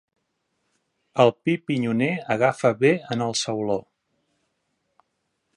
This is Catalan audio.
El pi pinyoner agafa bé en el sauló.